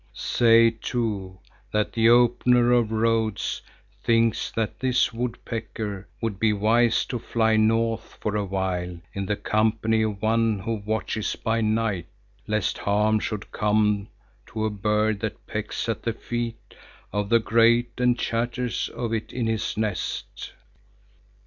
Say, too, that the Opener of Roads thinks that this Woodpecker would be wise to fly north for a while in the company of one who watches by night, lest harm should come to a bird that pecks at the feet of the great and chatters of it in his nest.